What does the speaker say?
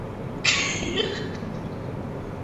কি বলেছি শুনতে পেয়েছ?